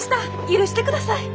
許してください。